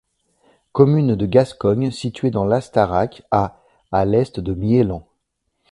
Commune de Gascogne située dans l'Astarac à à l'est de Miélan.